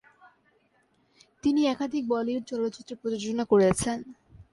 তিনি একাধিক বলিউড চলচ্চিত্র প্রযোজনা করেছেন।